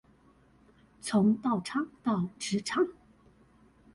從道場到職場